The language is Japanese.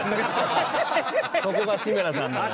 そこが志村さんなのよ。